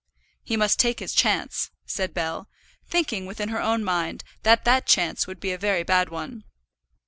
"He must take his chance," said Bell, thinking within her own mind that that chance would be a very bad one.